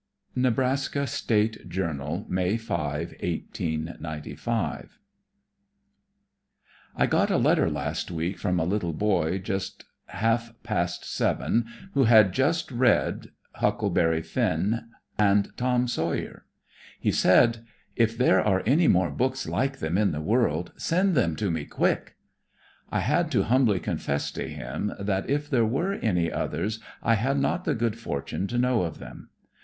Nebraska State Journal, May 5, 1895 I got a letter last week from a little boy just half past seven who had just read "Huckleberry Finn" and "Tom Sawyer." He said: "If there are any more books like them in the world, send them to me quick." I had to humbly confess to him that if there were any others I had not the good fortune to know of them.